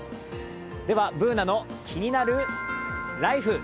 では「ＢｏｏｎａのキニナルＬＩＦＥ」。